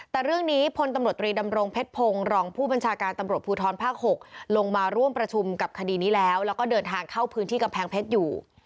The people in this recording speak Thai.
แต่เรื่องนี้พลตำรวจตรีดำรงเพชรพงศ์รองผู้บัญชาการตำรวจภูทรภาค๖ลงมาร่วมประชุมกับคดีนี้แล้วแล้วก็เดินทางเข้าพื้นที่กำแพงเพชรอยู่